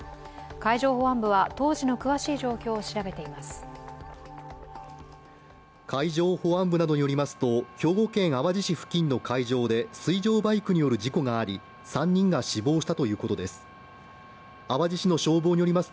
海上保安部などによりますと、兵庫県淡路市の海上で水上バイクによる事故があり３人が死亡したということです。